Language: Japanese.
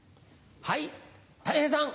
はいたい平さん。